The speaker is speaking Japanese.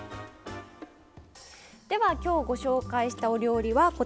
では今日ご紹介したお料理はこちら。